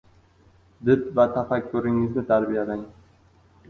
Did va tafakkuringizni tarbiyalang.